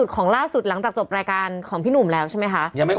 ของล่าสุดหลังจากจบรายการของพี่หนุ่มแล้วใช่ไหมคะ